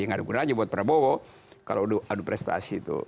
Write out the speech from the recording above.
gak ada gunanya buat prabowo kalau adu prestasi itu